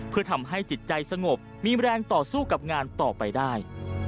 เพื่อทำให้จิตใจสงบมีแรงต่อสู้กับงานต่อไปได้